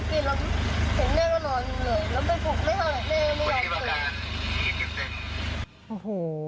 แล้วไปฝุกแม่เท่าไรแม่ไม่ยอมตื่น